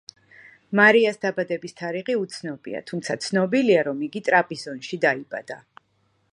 მარიას დაბადების თარიღი უცნობია, თუმცა ცნობილია, რომ იგი ტრაპიზონში დაიბადა.